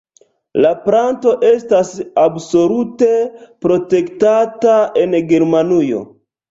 La planto estas absolute protektata en Germanujo.